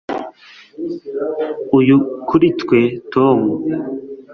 Uyu kuri twe Tom